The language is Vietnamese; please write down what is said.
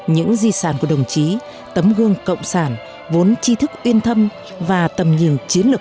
những di sản của đồng chí tấm gương cộng sản vốn chi thức uyên thâm và tầm nhìn chiến lược